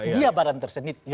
dia badan tersendiri